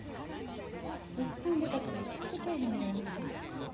戦に出たきり帰ってけぇへんのや。